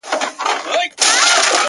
کال ته به مرمه.